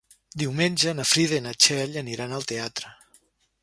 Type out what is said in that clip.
Diumenge na Frida i na Txell aniran al teatre.